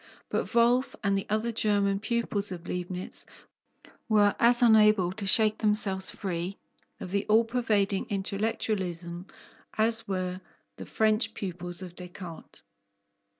But Wolff and the other German pupils of Leibnitz were as unable to shake themselves free of the all pervading intellectualism as were the French pupils of Descartes.